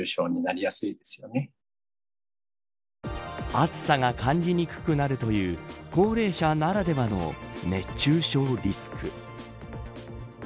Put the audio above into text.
暑さが感じにくくなるという高齢者ならではの熱中症リスク。